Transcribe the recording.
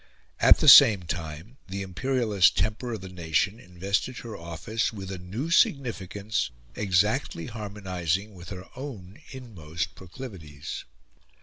At the same time, the imperialist temper of the nation invested her office with a new significance exactly harmonising with her own inmost proclivities.